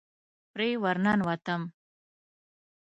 پرې ورننوتم.